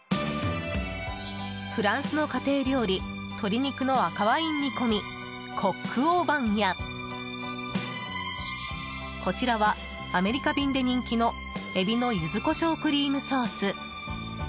フランスの家庭料理鶏肉の赤ワイン煮込みコック・オー・ヴァンやこちらは、アメリカ便で人気のエビの柚子胡椒クリームソース。